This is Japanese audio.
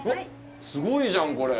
すごいじゃん、これ。